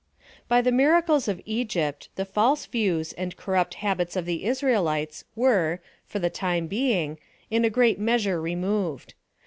By the miracles of Egypt, the false views and corrupt habits of the Israelites were, for the time being, in a great measure removed.